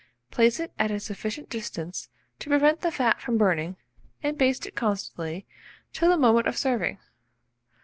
Place it at a sufficient distance to prevent the fat from burning, and baste it constantly till the moment of serving.